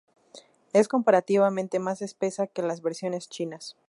Es comparativamente más espesa que las versiones chinas.